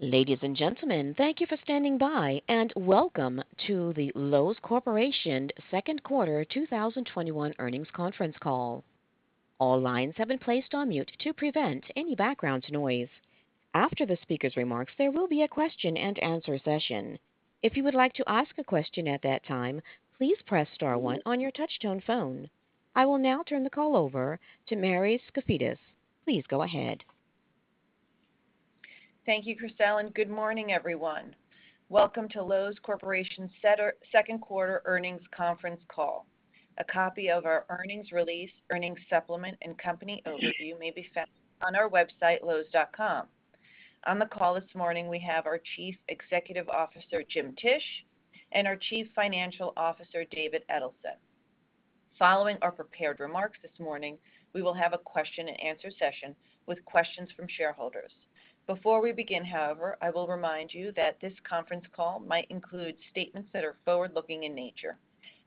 Ladies and gentlemen, thank you for standing by, and welcome to the Loews Corporation Second Quarter 2021 earnings conference call. All lines have been placed on mute to prevent any background noise. After the speaker's remarks, there will be a question-and-answer session. If you would like to ask a question at that time, please press star one on your touchtone phone. I will now turn the call over to Mary Skafidas. Please go ahead. Thank you, Crystal, and good morning, everyone. Welcome to Loews Corporation Second Quarter Earnings Conference Call. A copy of our earnings release, earnings supplement, and company overview may be found on our website, loews.com. On the call this morning, we have our Chief Executive Officer, Jim Tisch, and our Chief Financial Officer, David Edelson. Following our prepared remarks this morning, we will have a question-and-answer session with questions from shareholders. Before we begin, however, I will remind you that this conference call might include statements that are forward-looking in nature.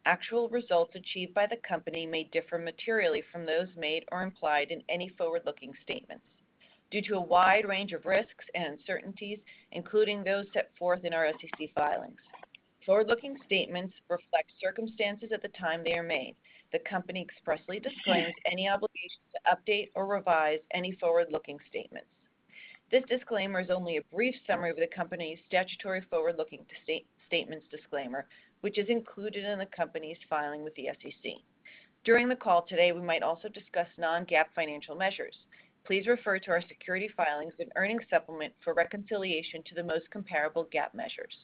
Actual results achieved by the company may differ materially from those made or implied in any forward-looking statements due to a wide range of risks and uncertainties, including those set forth in our SEC filings. Forward-looking statements reflect circumstances at the time they are made. The company expressly disclaims any obligation to update or revise any forward-looking statements. This disclaimer is only a brief summary of the company's statutory forward-looking statements disclaimer, which is included in the company's filing with the SEC. During the call today, we might also discuss non-GAAP financial measures. Please refer to our security filings and earnings supplement for reconciliation to the most comparable GAAP measures.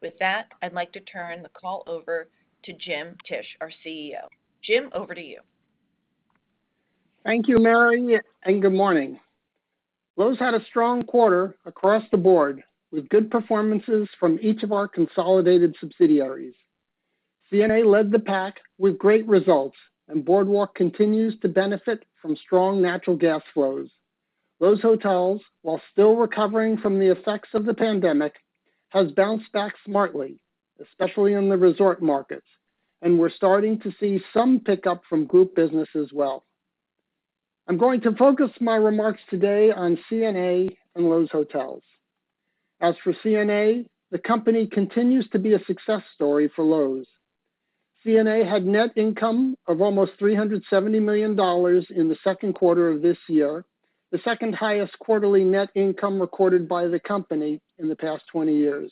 With that, I'd like to turn the call over to Jim Tisch, our CEO. Jim, over to you. Thank you, Mary, and good morning. Loews had a strong quarter across the board with good performances from each of our consolidated subsidiaries. CNA led the pack with great results, and Boardwalk continues to benefit from strong natural gas flows. Loews Hotels, while still recovering from the effects of the pandemic, has bounced back smartly, especially in the resort markets, and we're starting to see some pickup from group business as well. I'm going to focus my remarks today on CNA and Loews Hotels. As for CNA, the company continues to be a success story for Loews. CNA had net income of almost $370 million in the second quarter of this year, the second highest quarterly net income recorded by the company in the past 20 years,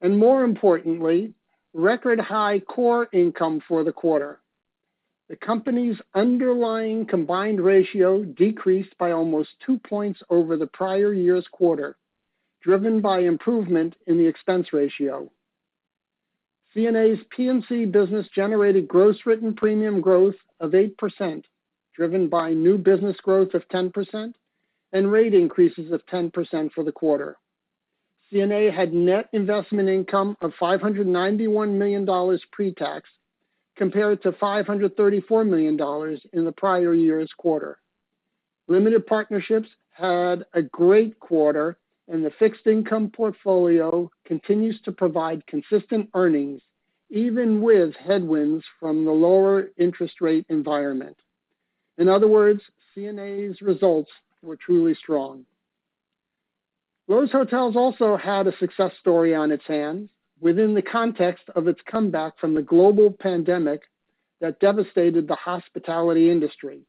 and more importantly, record high core income for the quarter. The company's underlying combined ratio decreased by almost two points over the prior year's quarter, driven by improvement in the expense ratio. CNA's P&C business generated gross written premium growth of 8%, driven by new business growth of 10% and rate increases of 10% for the quarter. CNA had net investment income of $591 million pre-tax compared to $534 million in the prior year's quarter. Limited partnerships had a great quarter, and the fixed income portfolio continues to provide consistent earnings, even with headwinds from the lower interest rate environment. In other words, CNA's results were truly strong. Loews Hotels also had a success story on its hands within the context of its comeback from the global pandemic that devastated the hospitality industry.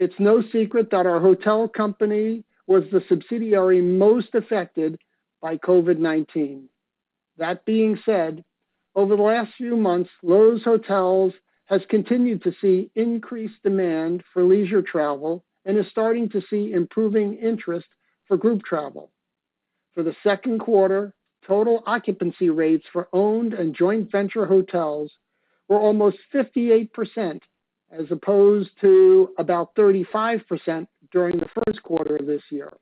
It's no secret that our hotel company was the subsidiary most affected by COVID-19. That being said, over the last few months, Loews Hotels has continued to see increased demand for leisure travel and is starting to see improving interest for group travel. For the second quarter, total occupancy rates for owned and joint venture hotels were almost 58%, as opposed to about 35% during the first quarter of this year.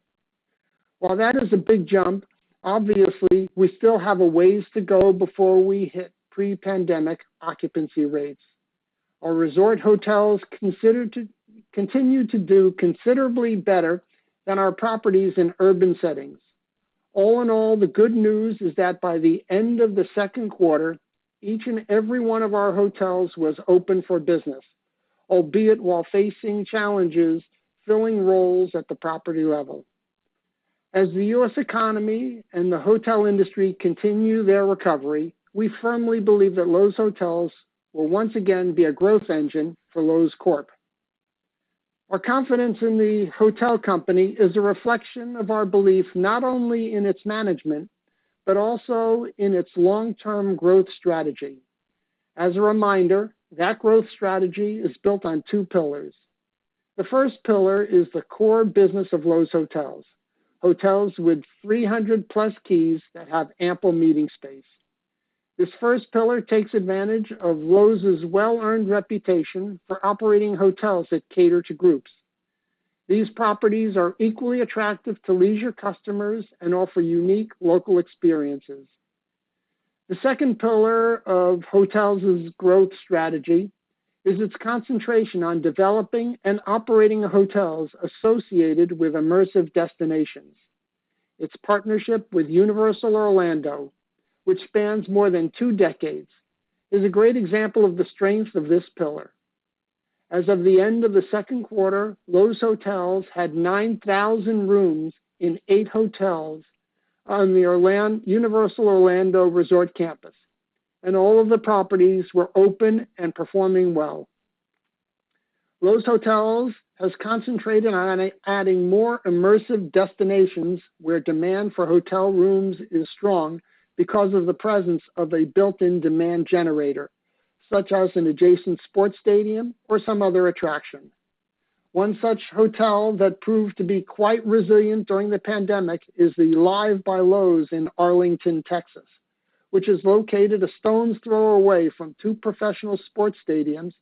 While that is a big jump, obviously, we still have a ways to go before we hit pre-pandemic occupancy rates. Our resort hotels continue to do considerably better than our properties in urban settings. All in all, the good news is that by the end of the second quarter, each and every one of our hotels was open for business, albeit while facing challenges filling roles at the property level. As the U.S. economy and the hotel industry continue their recovery, we firmly believe that Loews Hotels will once again be a growth engine for Loews Corp. Our confidence in the hotel company is a reflection of our belief not only in its management, but also in its long-term growth strategy. As a reminder, that growth strategy is built on two pillars. The first pillar is the core business of Loews Hotels, hotels with 300+ keys that have ample meeting space. This first pillar takes advantage of Loews' well-earned reputation for operating hotels that cater to groups. These properties are equally attractive to leisure customers and offer unique local experiences. The second pillar of Hotels' growth strategy is its concentration on developing and operating hotels associated with immersive destinations. Its partnership with Universal Orlando, which spans more than two decades, is a great example of the strength of this pillar. As of the end of the second quarter, Loews Hotels had 9,000 rooms in eight hotels on the Universal Orlando Resort campus, and all of the properties were open and performing well. Loews Hotels has concentrated on adding more immersive destinations where demand for hotel rooms is strong because of the presence of a built-in demand generator, such as an adjacent sports stadium or some other attraction. One such hotel that proved to be quite resilient during the pandemic is the Live! by Loews in Arlington, Texas, which is located a stone's throw away from two professional sports stadiums,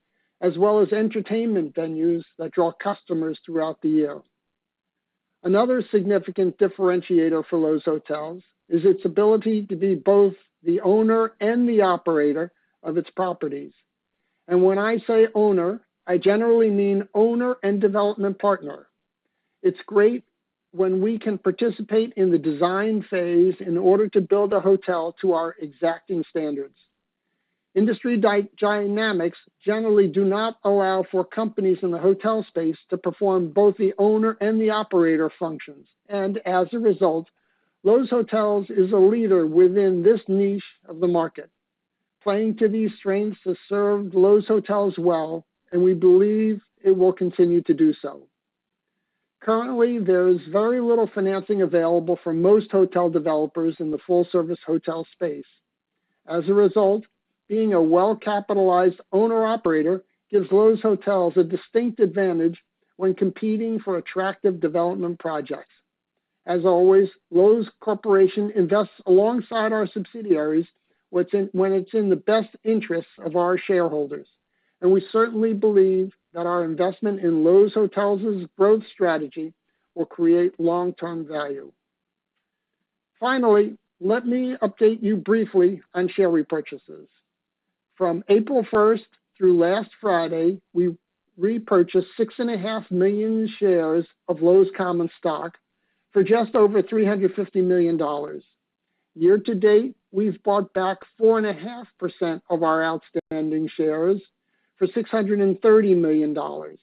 as well as entertainment venues that draw customers throughout the year. Another significant differentiator for Loews Hotels is its ability to be both the owner and the operator of its properties. When I say owner, I generally mean owner and development partner. It's great when we can participate in the design phase in order to build a hotel to our exacting standards. Industry dynamics generally do not allow for companies in the hotel space to perform both the owner and the operator functions. As a result, Loews Hotels is a leader within this niche of the market. Playing to these strengths has served Loews Hotels well, and we believe it will continue to do so. Currently, there is very little financing available for most hotel developers in the full-service hotel space. As a result, being a well-capitalized owner/operator gives Loews Hotels a distinct advantage when competing for attractive development projects. As always, Loews Corporation invests alongside our subsidiaries when it's in the best interest of our shareholders, and we certainly believe that our investment in Loews Hotels' growth strategy will create long-term value. Finally, let me update you briefly on share repurchases. From April 1st through last Friday, we repurchased 6.5 million shares of Loews common stock for just over $350 million. Year-to-date, we've bought back 4.5% of our outstanding shares for $630 million.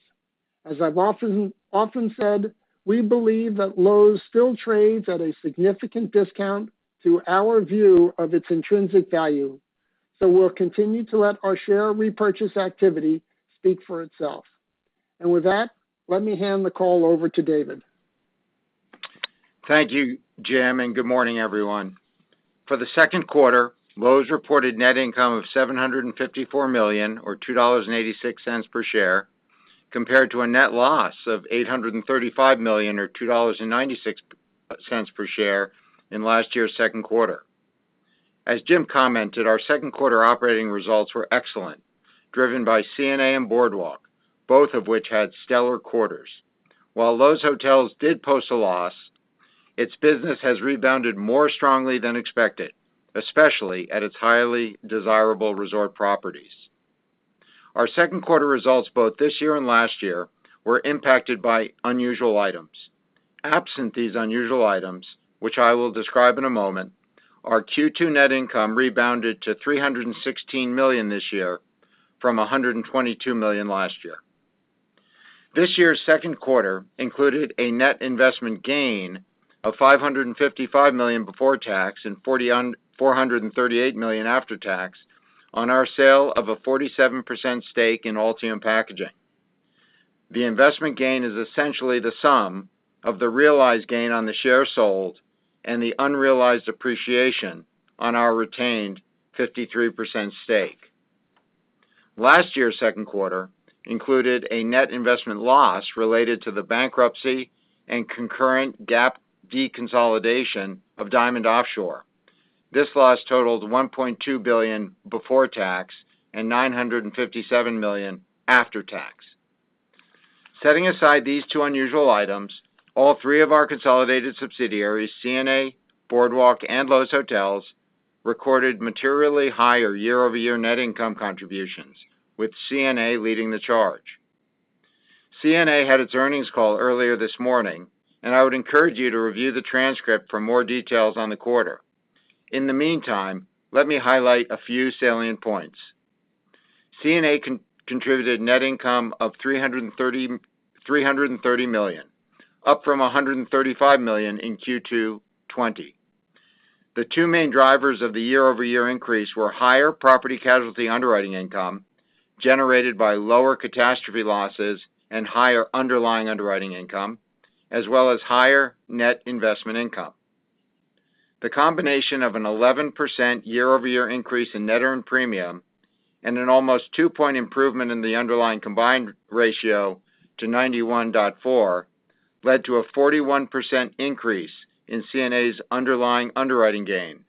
As I've often said, we believe that Loews still trades at a significant discount to our view of its intrinsic value. We'll continue to let our share repurchase activity speak for itself. With that, let me hand the call over to David. Thank you, Jim. Good morning, everyone. For the second quarter, Loews reported net income of $754 million or $2.86 per share, compared to a net loss of $835 million or $2.96 per share in last year's second quarter. As Jim commented, our second quarter operating results were excellent, driven by CNA and Boardwalk, both of which had stellar quarters. While Loews Hotels did post a loss, its business has rebounded more strongly than expected, especially at its highly desirable resort properties. Our second quarter results both this year and last year were impacted by unusual items. Absent these unusual items, which I will describe in a moment, our Q2 net income rebounded to $316 million this year from $122 million last year. This year's second quarter included a net investment gain of $555 million before tax and $438 million after tax on our sale of a 47% stake in Altium Packaging. The investment gain is essentially the sum of the realized gain on the share sold and the unrealized appreciation on our retained 53% stake. Last year's second quarter included a net investment loss related to the bankruptcy and concurrent GAAP deconsolidation of Diamond Offshore. This loss totaled $1.2 billion before tax and $957 million after tax. Setting aside these two unusual items, all three of our consolidated subsidiaries, CNA, Boardwalk, and Loews Hotels, recorded materially higher year-over-year net income contributions, with CNA leading the charge. CNA had its earnings call earlier this morning. I would encourage you to review the transcript for more details on the quarter. In the meantime, let me highlight a few salient points. CNA contributed net income of $330 million, up from $135 million in Q2 2020. The two main drivers of the year-over-year increase were higher property casualty underwriting income generated by lower catastrophe losses and higher underlying underwriting income, as well as higher net investment income. The combination of an 11% year-over-year increase in net earned premium and an almost two-point improvement in the underlying combined ratio to 91.4 led to a 41% increase in CNA's underlying underwriting gain,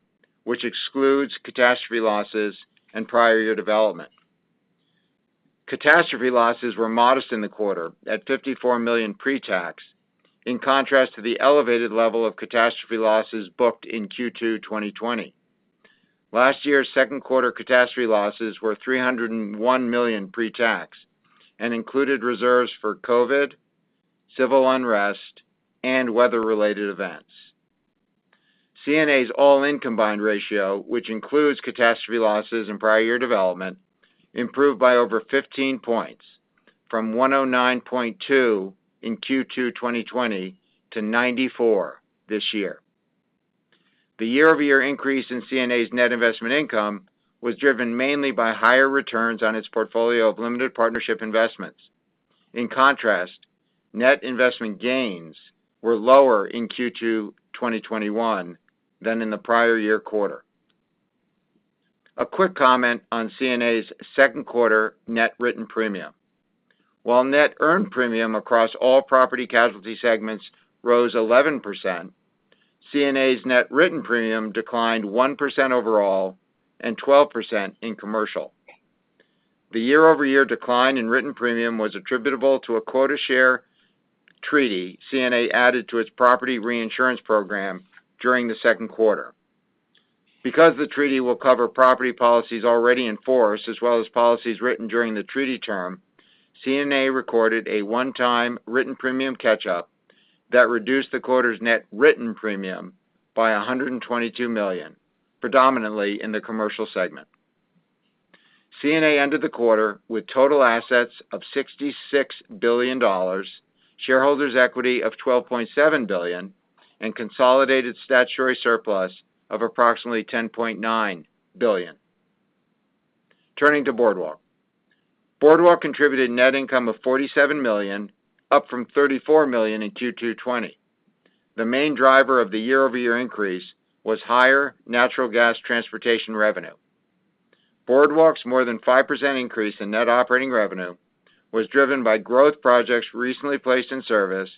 which excludes catastrophe losses and prior year development. Catastrophe losses were modest in the quarter at $54 million pre-tax, in contrast to the elevated level of catastrophe losses booked in Q2 2020. Last year's second quarter catastrophe losses were $301 million pre-tax and included reserves for COVID, civil unrest, and weather-related events. CNA's all-in combined ratio, which includes catastrophe losses and prior year development, improved by over 15 points, from 109.2 in Q2 2020 to 94 this year. The year-over-year increase in CNA's net investment income was driven mainly by higher returns on its portfolio of limited partnership investments. In contrast, net investment gains were lower in Q2 2021 than in the prior year quarter. A quick comment on CNA's second quarter net written premium. While net earned premium across all property casualty segments rose 11%, CNA's net written premium declined 1% overall and 12% in commercial. The year-over-year decline in written premium was attributable to a quota share treaty CNA added to its property reinsurance program during the second quarter. Because the treaty will cover property policies already in force as well as policies written during the treaty term, CNA recorded a one-time written premium catch-up that reduced the quarter's net written premium by $122 million, predominantly in the commercial segment. CNA ended the quarter with total assets of $66 billion, shareholders' equity of $12.7 billion, and consolidated statutory surplus of approximately $10.9 billion. Turning to Boardwalk. Boardwalk contributed net income of $47 million, up from $34 million in Q2 2020. The main driver of the year-over-year increase was higher natural gas transportation revenue. Boardwalk's more than 5% increase in net operating revenue was driven by growth projects recently placed in service,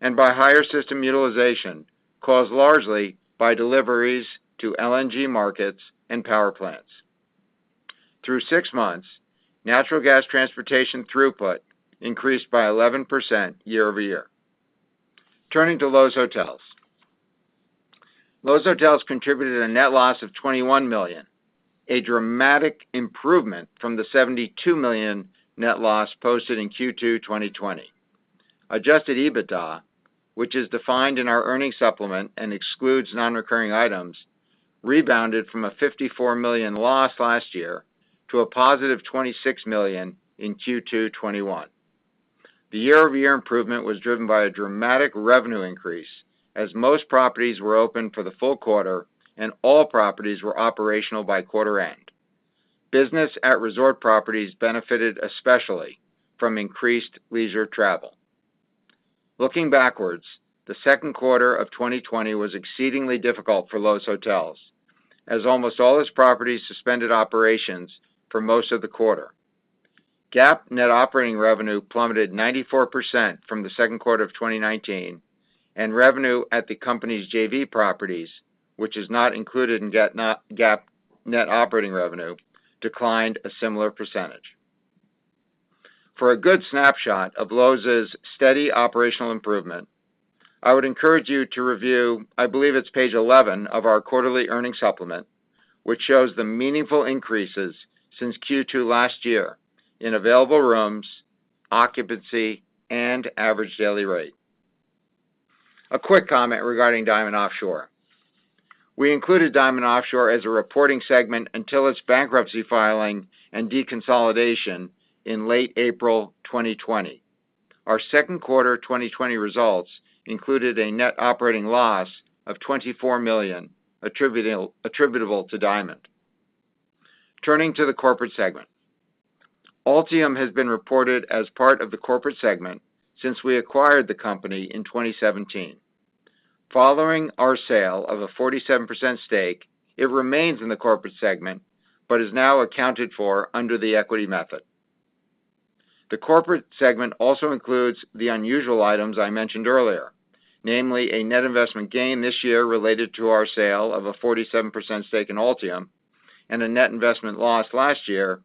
and by higher system utilization, caused largely by deliveries to LNG markets and power plants. Through 6 months, natural gas transportation throughput increased by 11% year-over-year. Turning to Loews Hotels. Loews Hotels contributed a net loss of $21 million, a dramatic improvement from the $72 million net loss posted in Q2 2020. Adjusted EBITDA, which is defined in our earnings supplement and excludes non-recurring items, rebounded from a $54 million loss last year to a +$26 million in Q2 2021. The year-over-year improvement was driven by a dramatic revenue increase as most properties were open for the full quarter, and all properties were operational by quarter end. Business at resort properties benefited especially from increased leisure travel. Looking backwards, the second quarter of 2020 was exceedingly difficult for Loews Hotels, as almost all its properties suspended operations for most of the quarter. GAAP net operating revenue plummeted 94% from the second quarter of 2019, and revenue at the company's JV properties, which is not included in GAAP net operating revenue, declined a similar percentage. For a good snapshot of Loews' steady operational improvement, I would encourage you to review, I believe it's page 11 of our quarterly earnings supplement, which shows the meaningful increases since Q2 last year in available rooms, occupancy, and average daily rate. A quick comment regarding Diamond Offshore. We included Diamond Offshore as a reporting segment until its bankruptcy filing and deconsolidation in late April 2020. Our second quarter 2020 results included a net operating loss of $24 million attributable to Diamond. Turning to the corporate segment. Altium has been reported as part of the corporate segment since we acquired the company in 2017. Following our sale of a 47% stake, it remains in the corporate segment, but is now accounted for under the equity method. The corporate segment also includes the unusual items I mentioned earlier, namely a net investment gain this year related to our sale of a 47% stake in Altium, and a net investment loss last year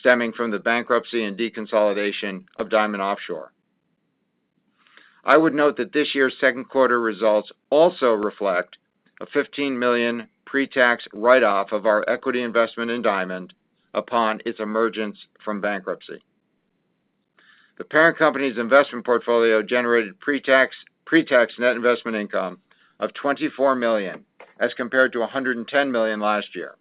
stemming from the bankruptcy and deconsolidation of Diamond Offshore. I would note that this year's second quarter results also reflect a $15 million pre-tax write-off of our equity investment in Diamond upon its emergence from bankruptcy. The parent company's investment portfolio generated pre-tax net investment income of $24 million, as compared to $110 million last year.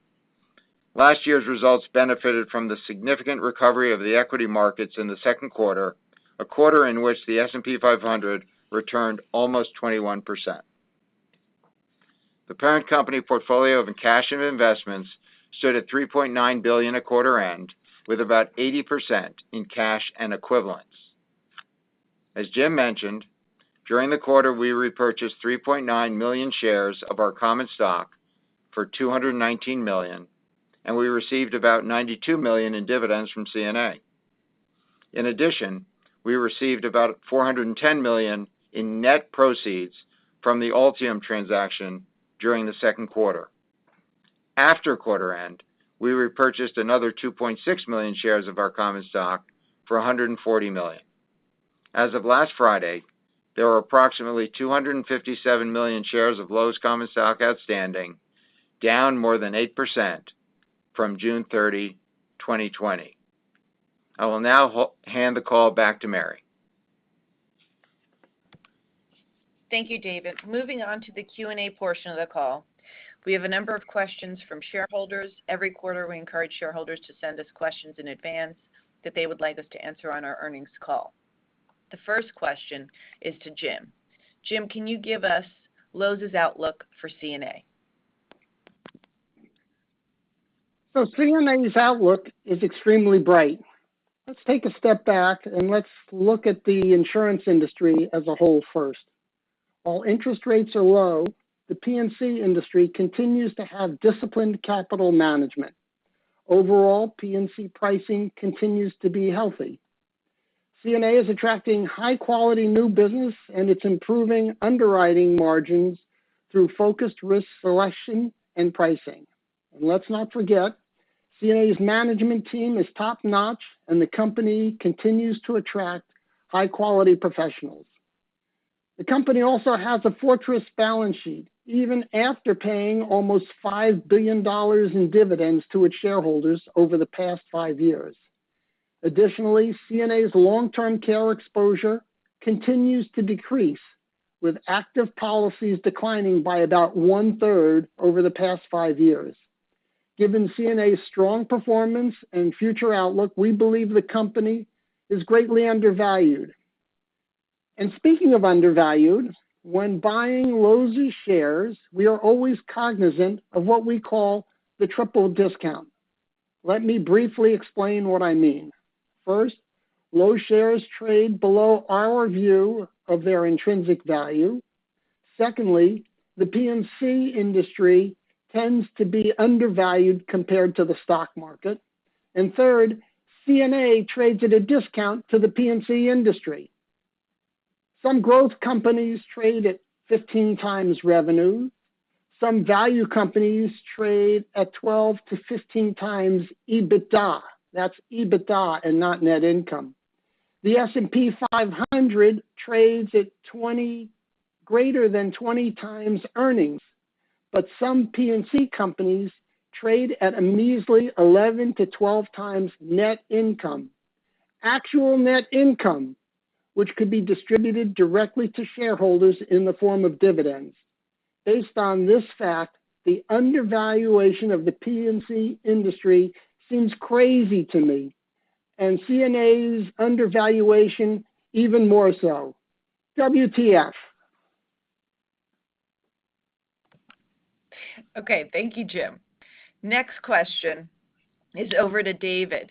Last year's results benefited from the significant recovery of the equity markets in the second quarter, a quarter in which the S&P 500 returned almost 21%. The parent company portfolio of cash and investments stood at $3.9 billion at quarter end, with about 80% in cash and equivalents. As Jim mentioned, during the quarter, we repurchased 3.9 million shares of our common stock for $219 million, and we received about $92 million in dividends from CNA. In addition, we received about $410 million in net proceeds from the Altium transaction during the second quarter. After quarter end, we repurchased another 2.6 million shares of our common stock for $140 million. As of last Friday, there were approximately 257 million shares of Loews common stock outstanding, down more than 8% from June 30, 2020. I will now hand the call back to Mary. Thank you, David. Moving on to the Q&A portion of the call. We have a number of questions from shareholders. Every quarter, we encourage shareholders to send us questions in advance that they would like us to answer on our earnings call. The first question is to Jim. Jim, can you give us Loews' outlook for CNA? CNA's outlook is extremely bright. Let's take a step back and let's look at the insurance industry as a whole first. While interest rates are low, the P&C industry continues to have disciplined capital management. Overall, P&C pricing continues to be healthy. CNA is attracting high-quality new business, and it's improving underwriting margins through focused risk selection and pricing. Let's not forget, CNA's management team is top-notch and the company continues to attract high-quality professionals. The company also has a fortress balance sheet, even after paying almost $5 billion in dividends to its shareholders over the past five years. Additionally, CNA's long-term care exposure continues to decrease, with active policies declining by about one-third over the past five years. Given CNA's strong performance and future outlook, we believe the company is greatly undervalued. Speaking of undervalued, when buying Loews' shares, we are always cognizant of what we call the triple discount. Let me briefly explain what I mean. First, Loews shares trade below our view of their intrinsic value. Secondly, the P&C industry tends to be undervalued compared to the stock market. Third, CNA trades at a discount to the P&C industry. Some growth companies trade at 15x revenue. Some value companies trade at 12-15x EBITDA. That's EBITDA and not net income. The S&P 500 trades at greater than 20x earnings. Some P&C companies trade at a measly 11-12x net income. Actual net income, which could be distributed directly to shareholders in the form of dividends. Based on this fact, the undervaluation of the P&C industry seems crazy to me, and CNA's undervaluation even more so. WTF. Okay. Thank you, Jim. Next question is over to David.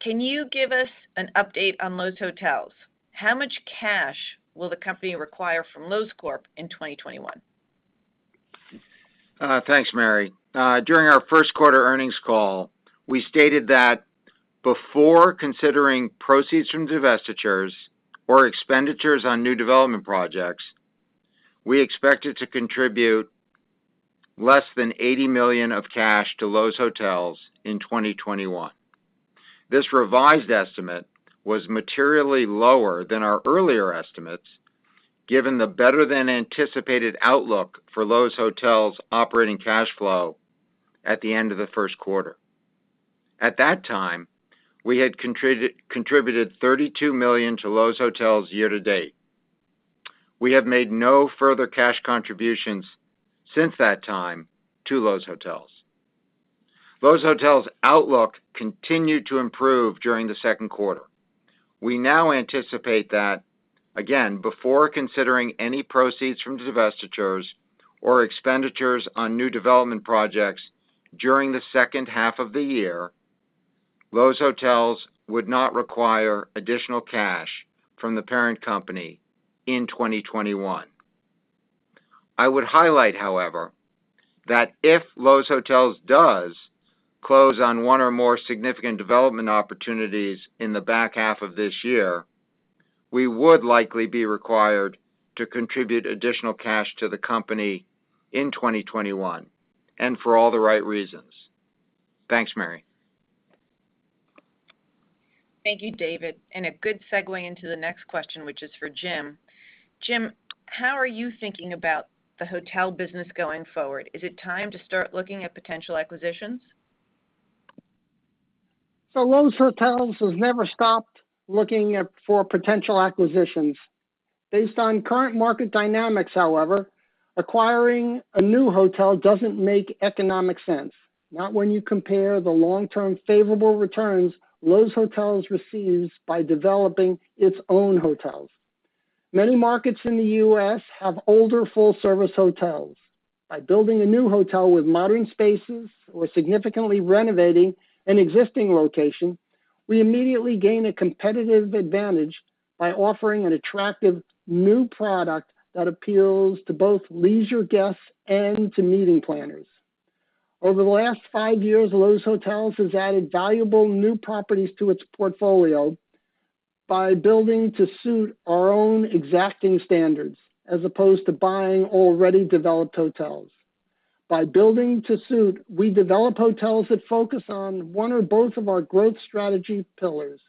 Can you give us an update on Loews Hotels? How much cash will the company require from Loews Corp in 2021? Thanks, Mary. During our first quarter earnings call, we stated that before considering proceeds from divestitures or expenditures on new development projects, we expected to contribute less than $80 million of cash to Loews Hotels in 2021. This revised estimate was materially lower than our earlier estimates, given the better-than-anticipated outlook for Loews Hotels' operating cash flow at the end of the first quarter. At that time, we had contributed $32 million to Loews Hotels year to date. We have made no further cash contributions since that time to Loews Hotels. Loews Hotels' outlook continued to improve during the second quarter. We now anticipate that, again, before considering any proceeds from divestitures or expenditures on new development projects during the second half of the year, Loews Hotels would not require additional cash from the parent company in 2021. I would highlight, however, that if Loews Hotels does close on one or more significant development opportunities in the back half of this year, we would likely be required to contribute additional cash to the company in 2021, and for all the right reasons. Thanks, Mary. Thank you, David. A good segue into the next question, which is for Jim. Jim, how are you thinking about the hotel business going forward? Is it time to start looking at potential acquisitions? Loews Hotels has never stopped looking for potential acquisitions. Based on current market dynamics, however, acquiring a new hotel doesn't make economic sense, not when you compare the long-term favorable returns Loews Hotels receives by developing its own hotels. Many markets in the U.S. have older full-service hotels. By building a new hotel with modern spaces or significantly renovating an existing location, we immediately gain a competitive advantage by offering an attractive new product that appeals to both leisure guests and to meeting planners. Over the last five years, Loews Hotels has added valuable new properties to its portfolio by building to suit our own exacting standards, as opposed to buying already developed hotels. By building to suit, we develop hotels that focus on one or both of our growth strategy pillars.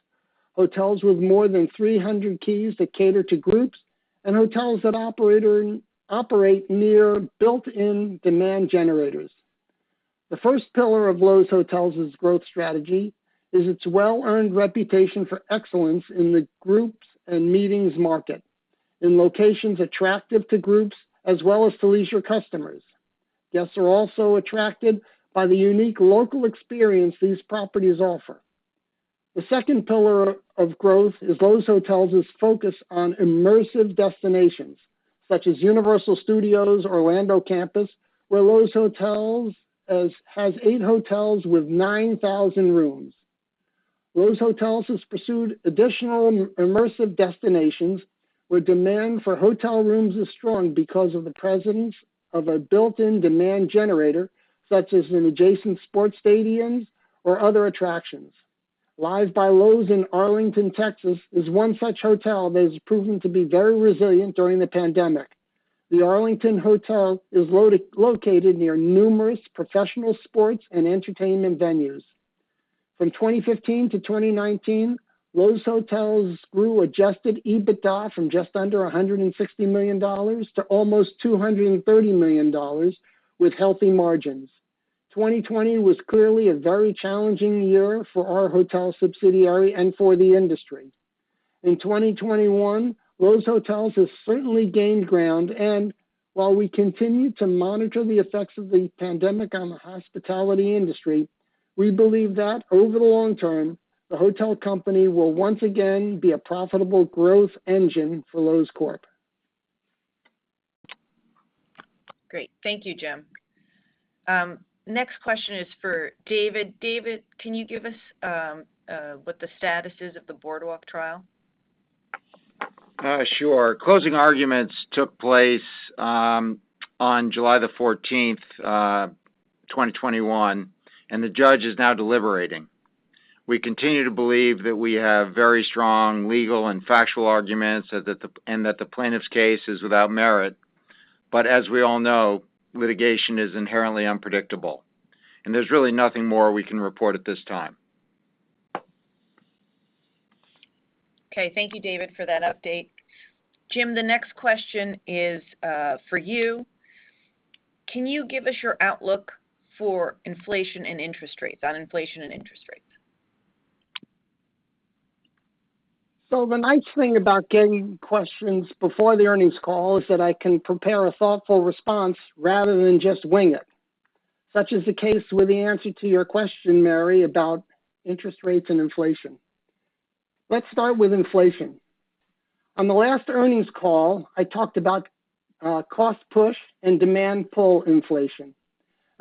Hotels with more than 300 keys that cater to groups, and hotels that operate near built-in demand generators. The first pillar of Loews Hotels' growth strategy is its well-earned reputation for excellence in the groups and meetings market, in locations attractive to groups as well as to leisure customers. Guests are also attracted by the unique local experience these properties offer. The second pillar of growth is Loews Hotels is focused on immersive destinations such as Universal Studios Orlando Campus, where Loews Hotels has 8 hotels with 9,000 rooms. Loews Hotels has pursued additional immersive destinations where demand for hotel rooms is strong because of the presence of a built-in demand generator, such as an adjacent sports stadiums or other attractions. Live! by Loews in Arlington, Texas, is one such hotel that has proven to be very resilient during the pandemic. The Arlington Hotel is located near numerous professional sports and entertainment venues. From 2015 to 2019, Loews Hotels grew adjusted EBITDA from just under $160 million to almost $230 million with healthy margins. 2020 was clearly a very challenging year for our hotel subsidiary and for the industry. In 2021, Loews Hotels has certainly gained ground, and while we continue to monitor the effects of the pandemic on the hospitality industry, we believe that over the long term, the hotel company will once again be a profitable growth engine for Loews Corp. Great. Thank you, Jim. Next question is for David. David, can you give us what the status is of the Boardwalk trial? Sure. Closing arguments took place on July the 14th, 2021. The judge is now deliberating. We continue to believe that we have very strong legal and factual arguments and that the plaintiff's case is without merit. As we all know, litigation is inherently unpredictable, and there's really nothing more we can report at this time. Okay. Thank you, David, for that update. Jim, the next question is for you. Can you give us your outlook on inflation and interest rates? The nice thing about getting questions before the earnings call is that I can prepare a thoughtful response rather than just wing it. Such is the case with the answer to your question, Mary, about interest rates and inflation. Let's start with inflation. On the last earnings call, I talked about cost-push and demand-pull inflation,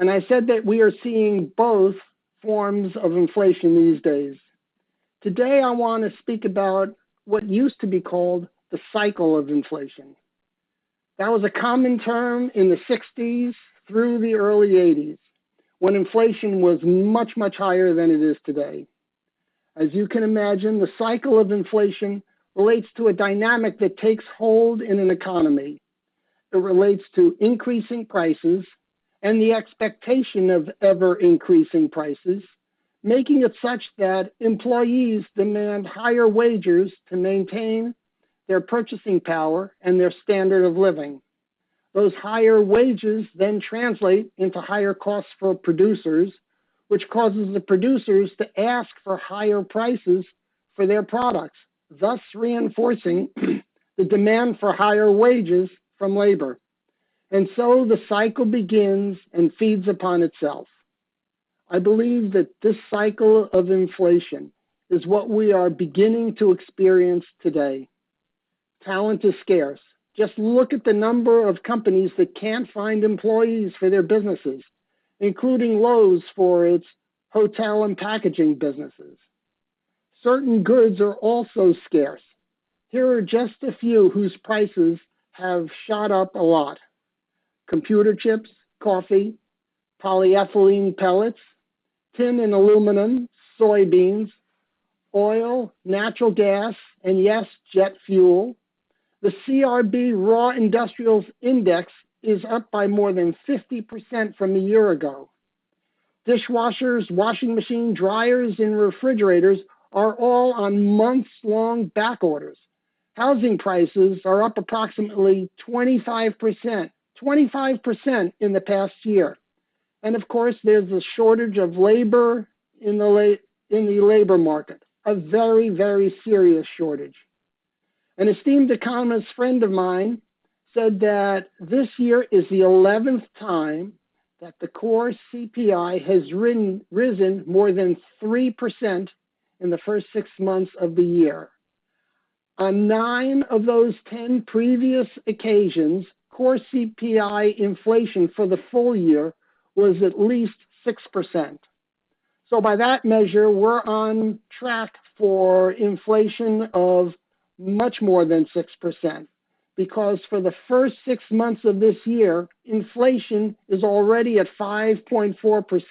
and I said that we are seeing both forms of inflation these days. Today, I want to speak about what used to be called the cycle of inflation. That was a common term in the 1960s through the early 1980s, when inflation was much, much higher than it is today. As you can imagine, the cycle of inflation relates to a dynamic that takes hold in an economy. It relates to increasing prices and the expectation of ever-increasing prices, making it such that employees demand higher wages to maintain their purchasing power and their standard of living. Those higher wages then translate into higher costs for producers, which causes the producers to ask for higher prices for their products, thus reinforcing the demand for higher wages from labor. The cycle begins and feeds upon itself. I believe that this cycle of inflation is what we are beginning to experience today. Talent is scarce. Just look at the number of companies that can't find employees for their businesses, including Loews for its hotel and packaging businesses. Certain goods are also scarce. Here are just a few whose prices have shot up a lot: computer chips, coffee, polyethylene pellets, tin and aluminum, soybeans, oil, natural gas, and yes, jet fuel. The CRB Raw Industrials Index is up by more than 50% from a year ago. Dishwashers, washing machine dryers, and refrigerators are all on months-long back orders. Housing prices are up approximately 25% in the past year. Of course, there's a shortage of labor in the labor market. A very, very serious shortage. An esteemed economist friend of mine said that this year is the 11th time that the core CPI has risen more than 3% in the first six months of the year. On nine of those 10 previous occasions, core CPI inflation for the full year was at least 6%. By that measure, we're on track for inflation of much more than 6%, because for the first six months of this year, inflation is already at 5.4%.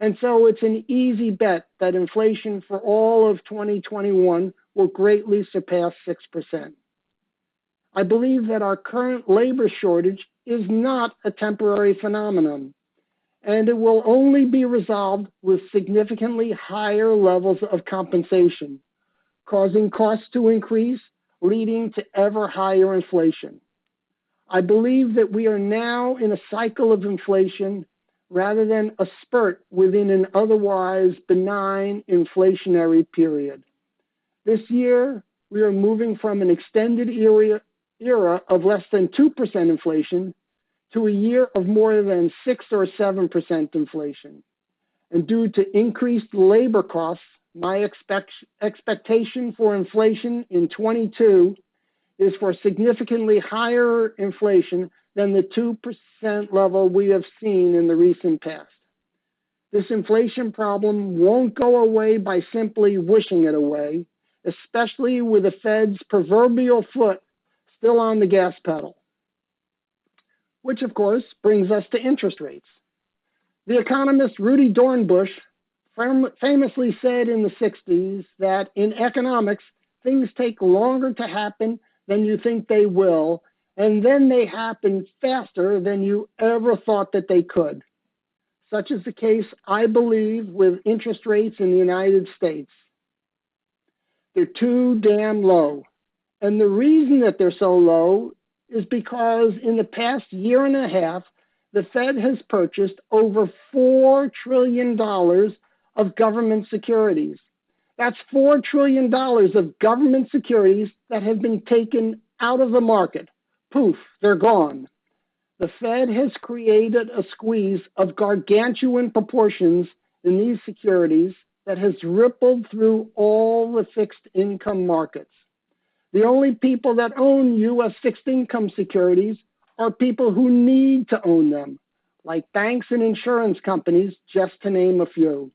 It's an easy bet that inflation for all of 2021 will greatly surpass 6%. I believe that our current labor shortage is not a temporary phenomenon, and it will only be resolved with significantly higher levels of compensation, causing costs to increase, leading to ever higher inflation. I believe that we are now in a cycle of inflation rather than a spurt within an otherwise benign inflationary period. This year, we are moving from an extended era of less than 2% inflation to a year of more than 6% or 7% inflation. Due to increased labor costs, my expectation for inflation in 2022 is for significantly higher inflation than the 2% level we have seen in the recent past. This inflation problem won't go away by simply wishing it away, especially with the Fed's proverbial foot still on the gas pedal. Which, of course, brings us to interest rates. The economist Rudi Dornbusch famously said in the 1960s that, "In economics, things take longer to happen than you think they will, and then they happen faster than you ever thought that they could." Such is the case, I believe, with interest rates in the U.S. They're too damn low, and the reason that they're so low is because in the past year and a half, the Fed has purchased over $4 trillion of government securities. That's $4 trillion of government securities that have been taken out of the market. Poof, they're gone. The Fed has created a squeeze of gargantuan proportions in these securities that has rippled through all the fixed income markets. The only people that own U.S. fixed income securities are people who need to own them, like banks and insurance companies, just to name a few.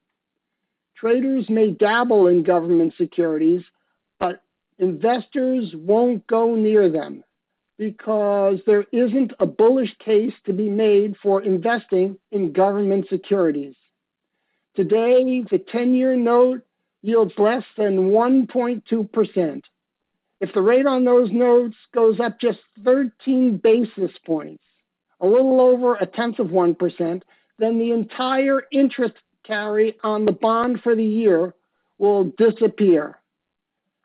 Traders may dabble in government securities, but investors won't go near them because there isn't a bullish case to be made for investing in government securities. Today, the 10-year note yields less than 1.2%. If the rate on those notes goes up just 13 basis points, a little over 1/10 of 1%, then the entire interest carry on the bond for the year will disappear.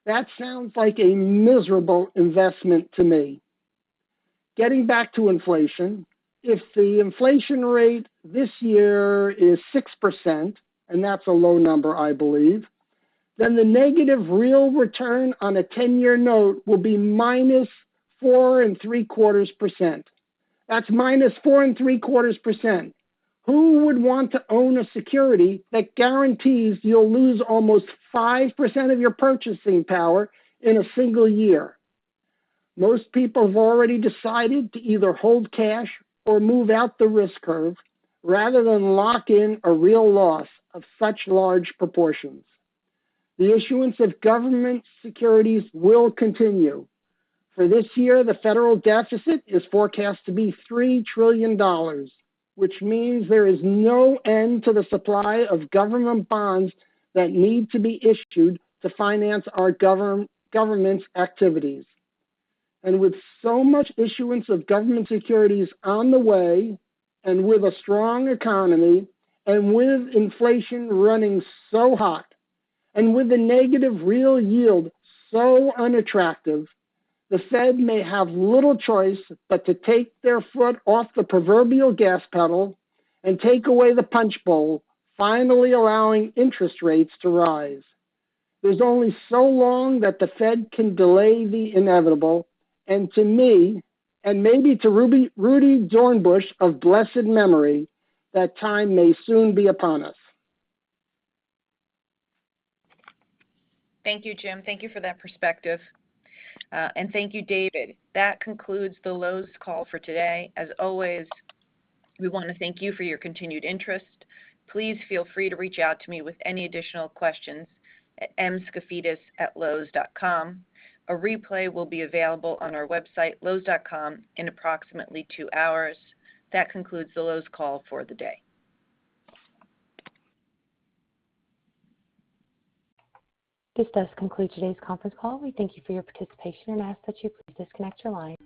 That sounds like a miserable investment to me. Getting back to inflation, if the inflation rate this year is 6%, and that's a low number, I believe, then the negative real return on a 10-year note will be -4.75%. That's -4.75%. Who would want to own a security that guarantees you'll lose almost 5% of your purchasing power in a single year? Most people have already decided to either hold cash or move out the risk curve rather than lock in a real loss of such large proportions. The issuance of government securities will continue. For this year, the federal deficit is forecast to be $3 trillion, which means there is no end to the supply of government bonds that need to be issued to finance our government's activities. With so much issuance of government securities on the way, and with a strong economy, and with inflation running so hot, and with the negative real yield so unattractive, the Fed may have little choice but to take their foot off the proverbial gas pedal and take away the punch bowl, finally allowing interest rates to rise. There's only so long that the Fed can delay the inevitable, and to me, and maybe to Rudi Dornbusch of blessed memory, that time may soon be upon us. Thank you, Jim. Thank you for that perspective. Thank you, David. That concludes the Loews call for today. As always, we want to thank you for your continued interest. Please feel free to reach out to me with any additional questions at mskafidas@loews.com. A replay will be available on our website, loews.com, in approximately two hours. That concludes the Loews call for the day. This does conclude today's conference call. We thank you for your participation and ask that you please disconnect your line.